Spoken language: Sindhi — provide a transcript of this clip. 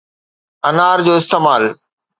انار جو استعمال